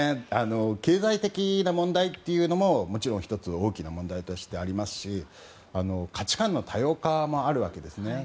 経済的な問題というのももちろん１つ大きな問題としてありますし価値観の多様化もあるわけです。